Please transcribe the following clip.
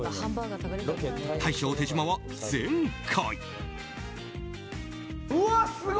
大将・手島は前回。